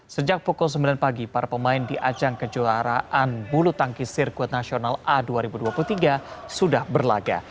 sejak pukul sembilan pagi para pemain di ajang kejuaraan bulu tangki sirkuit nasional a dua ribu dua puluh tiga sudah berlaga